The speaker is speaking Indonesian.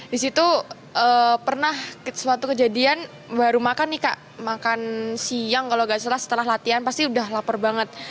di situ pernah suatu kejadian baru makan nih kak makan siang kalau nggak salah setelah latihan pasti udah lapar banget